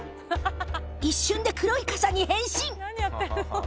一瞬で黒い傘に変身！